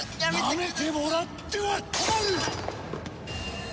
なめてもらっては困る！